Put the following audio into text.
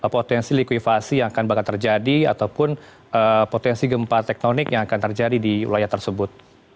potensi likuifasi yang akan bakal terjadi ataupun potensi gempa tektonik yang akan terjadi di wilayah tersebut